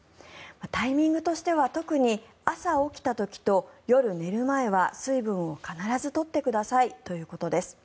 タイミングとしては特に朝起きた時と夜寝る前は水分を必ず取ってくださいということです。